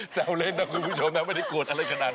แซวเล่นนะคุณผู้ชมนะไม่ได้โกรธอะไรขนาด